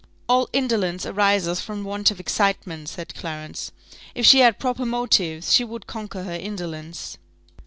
"All indolence arises from want of excitement," said Clarence: "if she had proper motives, she would conquer her indolence."